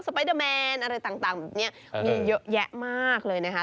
สไปเดอร์แมนอะไรต่างอยู่เยอะแยะมากเลยนะคะ